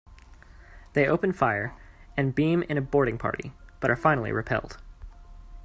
They open fire, and beam in a boarding party, but are finally repelled.